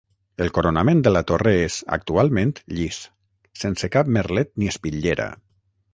El coronament de la torre és, actualment, llis, sense cap merlet ni espitllera.